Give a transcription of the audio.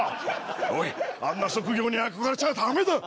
おいあんな職業に憧れちゃダメだ。